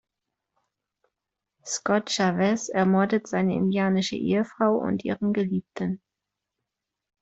Scott Chavez ermordet seine indianische Ehefrau und ihren Geliebten.